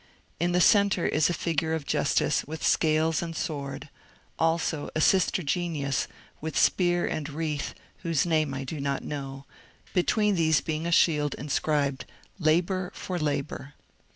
In the centre is a figure of Justice with scales and sword, also a sister genius with spear and wreath whose name I do not know, between these being a shield inscribed ^' Labor for Labor."